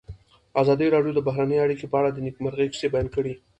ازادي راډیو د بهرنۍ اړیکې په اړه د نېکمرغۍ کیسې بیان کړې.